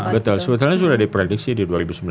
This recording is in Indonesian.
betul sebetulnya sudah diprediksi di dua ribu sembilan belas